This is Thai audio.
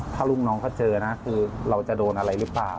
ถ้าลูกน้องเขาเจอนะคือเราจะโดนอะไรหรือเปล่า